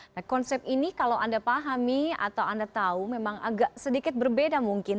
nah konsep ini kalau anda pahami atau anda tahu memang agak sedikit berbeda mungkin